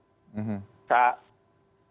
artinya seperti apa yang dialami